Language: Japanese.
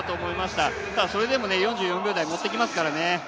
ただ、それでも４４秒台持ってきますからね。